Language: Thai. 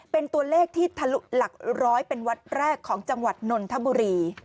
เป็นตัวเลขที่ทะลุหลักร้อยเป็นวัดแรกของจังหวัดนนทบุรี